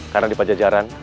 karena di pajajaran